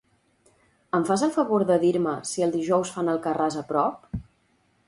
Em fas el favor de dir-me si el dijous fan "Alcarràs" a prop?